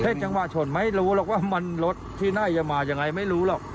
จังหวะชนไม่รู้หรอกว่ามันรถที่น่าจะมายังไงไม่รู้หรอก